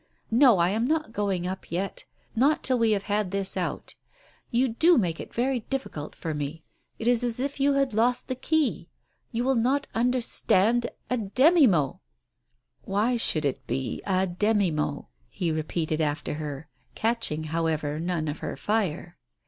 "No, I am not going up yet, not till we have had this out. You do make it very difficult for me. It is as if you had lost the key — you will not understand A demi~mot!" "Why should it be & demumot? " he repeated after her, catching, however, none of her fire.